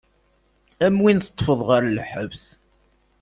Am win teṭṭfeḍ ɣer lḥebs.